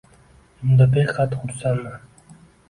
-Unda behad hursandman.